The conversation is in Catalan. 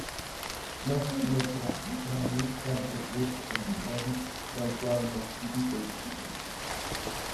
No s'admetrà a tràmit cap recurs el dipòsit del qual no estigui constituït.